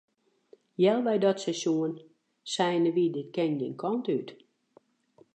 Healwei dat seizoen seinen we dit kin gjin kant út.